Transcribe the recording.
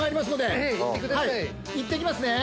行ってきますね。